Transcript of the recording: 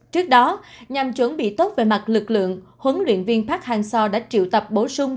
trước đó nhằm chuẩn bị tốt về mặt lực lượng huấn luyện viên park hang seo đã triệu tập bổ sung